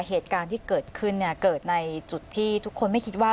เหตุการณ์ที่เกิดขึ้นเนี่ยเกิดในจุดที่ทุกคนไม่คิดว่า